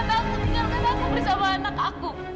takut tinggalkan aku bersama anak aku